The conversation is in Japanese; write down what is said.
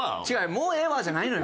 「もうええわ」じゃないのよ。